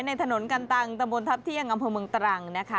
ถนนกันตังตะบนทัพเที่ยงอำเภอเมืองตรังนะคะ